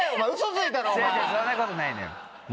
違う違うそんなことないのよ。